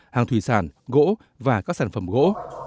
hàng thủy sản gỗ và các sản phẩm gỗ